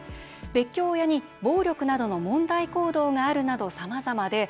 「別居親に暴力などの問題行動がある」などさまざまです。